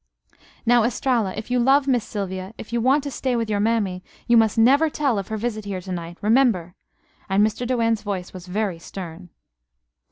"Now, Estralla, if you love Miss Sylvia, if you want to stay with your mammy, you must never tell of her visit here to night. Remember!" and Mr. Doane's voice was very stern.